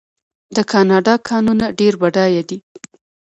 د کاناډا کانونه ډیر بډایه دي.